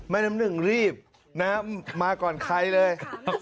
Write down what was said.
น้ำหนึ่งรีบน้ำมาก่อนใครเลย